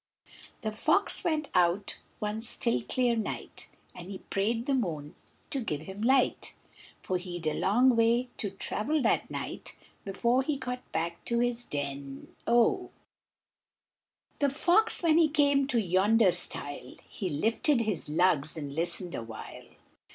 The fox went out, one still, clear night, And he prayed the moon to give him light, For he'd a long way to travel that night, Before he got back to his den o! The fox when he came to yonder stile, He lifted his lugs and he listened a while!